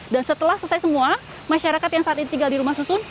dan setelah selesai semua masyarakat yang saat ini tinggal di rumah susun